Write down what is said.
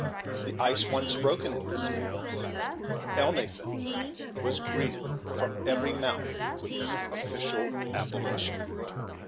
The ice once broken in this manner, Elnathan was greeted from every mouth with his official appellation.